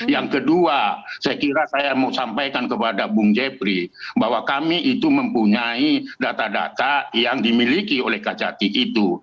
yang kedua saya kira saya mau sampaikan kepada bung jepri bahwa kami itu mempunyai data data yang dimiliki oleh kak jati itu